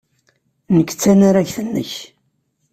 Nekk d tanaragt-nnek.